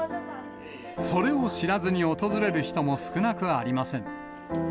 それを知らずに訪れる人も少なくありません。